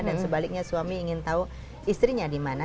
dan sebaliknya suami ingin tahu istrinya dimana